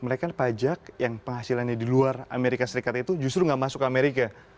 mereka pajak yang penghasilannya di luar amerika serikat itu justru nggak masuk amerika